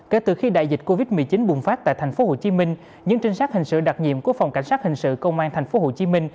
kể từ khi đại dịch covid một mươi chín bùng phát tại tp hcm những trinh sát hình sự đặc nhiệm của phòng cảnh sát hình sự công an tp hcm